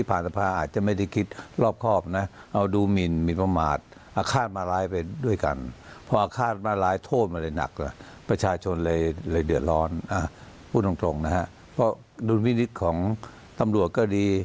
อะไรเดือดร้อนอ่ะพูดตรงนะฮะเพราะดุลวินิษฐ์ของตำรวจก็ดี